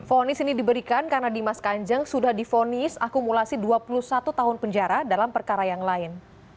fonis ini diberikan karena dimas kanjeng sudah difonis akumulasi dua puluh satu tahun penjara dalam perkara yang lain